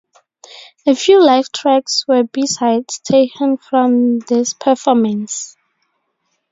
A few live tracks were b sides taken from this performance.